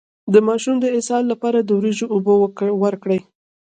د ماشوم د اسهال لپاره د وریجو اوبه ورکړئ